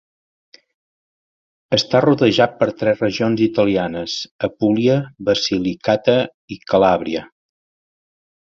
Està rodejat per tres regions italianes, Apulia, Basilicata i Calabria.